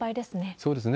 そうですね。